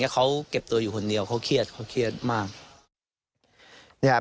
เขาเก็บตัวอยู่คนเดียวเขาเครียดเขาเครียดมาก